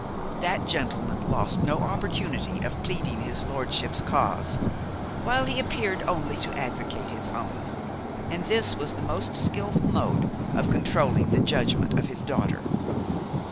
That gentleman lost no opportunity of pleading his lordship's cause, while he appeared only to advocate his own; and this was the most skilful mode of controlling the judgment of his daughter.